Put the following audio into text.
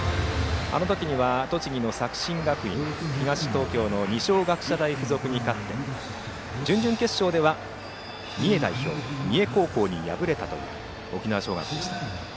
あの時には、栃木の作新学院東東京の二松学舎大付属に勝って準々決勝では三重代表の三重高校に敗れた沖縄尚学でした。